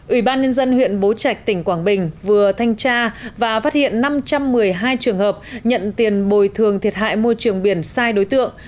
ủy ban nhân dân huyện bố trạch tỉnh quảng bình vừa thanh tra và phát hiện năm trăm một mươi hai trường hợp nhận tiền bồi thường thiệt hại môi trường biển sai đối tượng